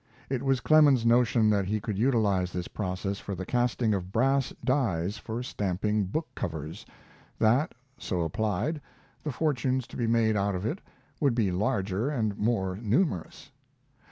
It was Clemens's notion that he could utilize this process for the casting of brass dies for stamping book covers that, so applied, the fortunes to be made out of it would be larger and more numerous.